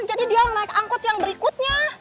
jadi dia yang naik angkot yang berikutnya